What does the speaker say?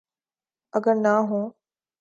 اگر نہ ہوں۔